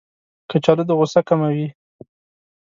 کچالو د غوسه کموي